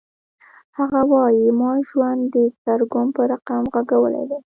هغه وایی ما ژوند د سرګم په رقم غږولی دی